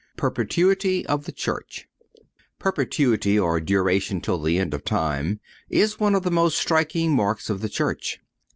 PERPETUITY OF THE CHURCH. Perpetuity, or duration till the end of time, is one of the most striking marks of the Church.